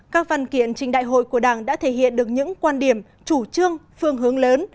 các văn kiện trình đại hội của đảng đã thể hiện được những quan điểm chủ trương phương hướng lớn